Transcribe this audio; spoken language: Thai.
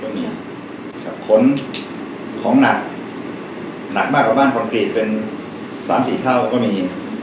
ขนของหนักหนักมากกว่าบ้านคอนกรีตเป็น๓๔เท่าก็มี